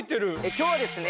今日はですね